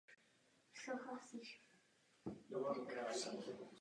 Nejlepší umístění v kariéře ale záhy vystřídalo jedno z nejhorších.